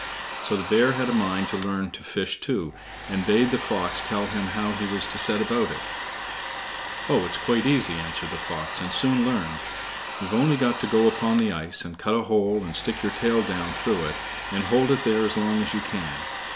So the bear had a mind to learn to fish, too, and bade the fox tell him how he was to set about it. "Oh, it is quite easy," answered the fox, "and soon learned. You've only got to go upon the ice, and cut a hole and stick your tail down through it, and hold it there as long as you can.